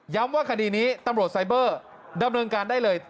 ว่าคดีนี้ตำรวจไซเบอร์ดำเนินการได้เลย